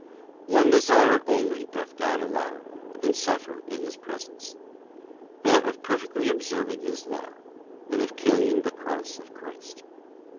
t One desire only doth God allow, and suffer} in His presence, that of perfectly observing His law, and of carrying the cross of Christ.